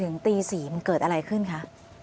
ตอนตีสี่มันเกิดอะไรขึ้นคะ